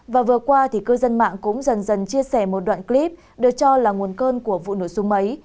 và vừa qua cư dân mạng cũng dần dần chia sẻ một đoạn clip được cho là nguồn cơn của vụ nổ sung mấy